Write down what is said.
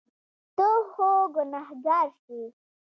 ته خو ګناهګار شوې.